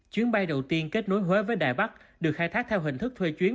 chuyến bay đầu tiên kết nối huế với đài bắc được khai thác theo hình thức thuê chuyến